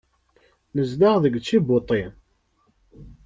Nezdeɣ deg Ǧibuti.